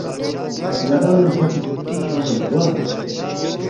ن٘دانگ کھو چِک کھیونگما مِہ گوا؟